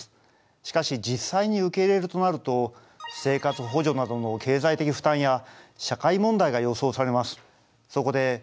しかし実際に受け入れるとなると生活補助などの経済的負担や社会問題が予想されます。